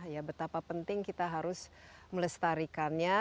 ya betapa penting kita harus melestarikannya